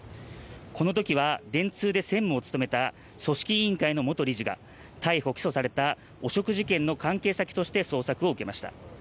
このときは電通で専務を務めた組織委員会の元理事が逮捕・起訴された汚職事件の関係先として捜索を受けました。